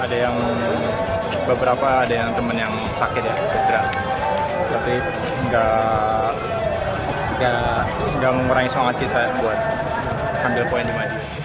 lupa ada yang teman yang sakit ya cedera tapi tidak mengurangi semangat kita buat ambil poin di mana